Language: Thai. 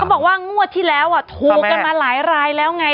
บอกว่างวดที่แล้วถูกกันมาหลายรายแล้วไง